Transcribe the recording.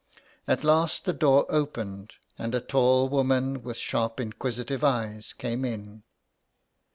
At last the door opened, and a tall woman with sharp, inquisitive eyes came in.